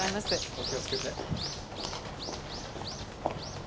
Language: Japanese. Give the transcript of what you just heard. お気をつけて。